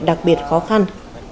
đặc biệt khó khăn